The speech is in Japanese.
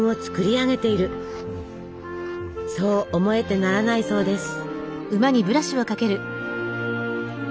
そう思えてならないそうです。